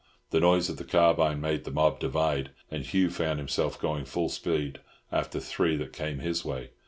The noise of the carbine made the mob divide, and Hugh found himself going full speed after three that came his way.